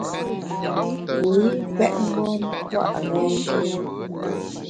Li’ pèt mgbom-a pua’ renké́ri.